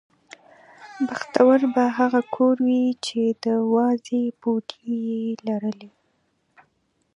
بختور به هغه کور و چې د وازې پوټې یې لرلې.